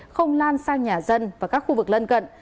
không lan sang nhà dân và các khu vực lân cận